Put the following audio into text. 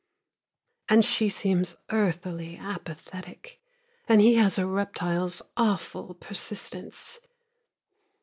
She seems earthily apathetic, And he has a reptile's awful persistence.